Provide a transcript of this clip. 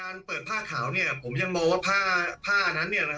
การเปิดผ้าขาวนี่ผมยังบอกว่าผ้นนั้นหรอก